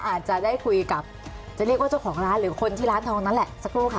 อาจจะได้คุยกับจะเรียกว่าเจ้าของร้านหรือคนที่ร้านทองนั้นแหละสักครู่ค่ะ